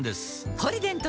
「ポリデント」